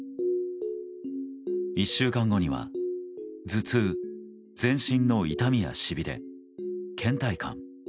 １週間後には頭痛、全身の痛みやしびれ、倦怠感。